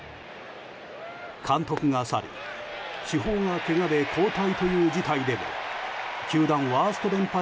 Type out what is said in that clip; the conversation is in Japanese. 監督が去り主砲がけがで交代という事態でも球団ワースト連敗